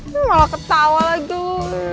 malah ketawa lah tuh